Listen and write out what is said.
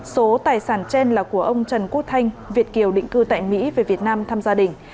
số tài sản trên là của ông trần quốc thanh việt kiều định cư tại mỹ về việt nam thăm gia đình